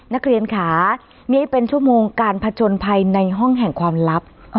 นักเรียนค่ะมีให้เป็นชั่วโมงการผจญภัยในห้องแห่งความลับ